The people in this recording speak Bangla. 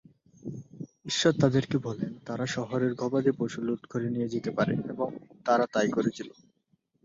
ঈশ্বর তাদেরকে বলেন তারা শহরের গবাদিপশু লুট করে নিয়ে যেতে পারে এবং তারা তাই করেছিলো।